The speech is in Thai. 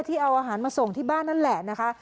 เอาอาหารมาส่งที่บ้านนั่นแหละนะคะ